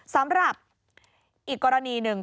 สำหรับอีกกรณีหนึ่ง